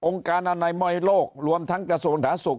องค์การอันไหนม่อยโลกรวมทั้งกระโสนท้าสุข